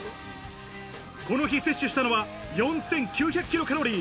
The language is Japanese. この日摂取したのは４９００キロカロリー。